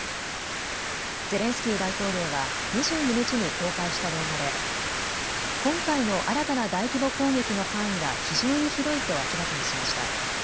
ゼレンスキー大統領は２２日に公開した動画で今回の新たな大規模攻撃の範囲は非常に広いと明らかにしました。